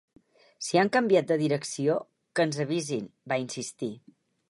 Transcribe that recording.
Si han canviat de direcció, que ens avisin, va insistir.